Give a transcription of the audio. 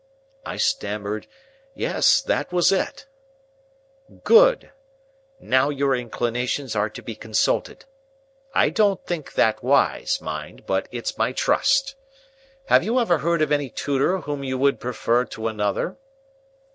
I stammered yes, that was it. "Good. Now, your inclinations are to be consulted. I don't think that wise, mind, but it's my trust. Have you ever heard of any tutor whom you would prefer to another?"